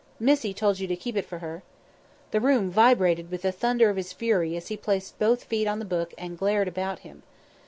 "Missie told you to keep it for her." The room vibrated with the thunder of his fury as he placed both feet on the book and glared about him.